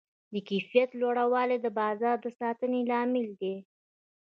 د کیفیت لوړوالی د بازار د ساتنې لامل دی.